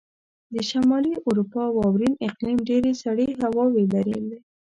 د شمالي اروپا واورین اقلیم ډېرې سړې هواوې لرلې.